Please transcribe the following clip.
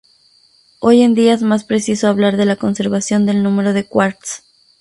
Hoy en día es más preciso hablar de la conservación del número de quarks.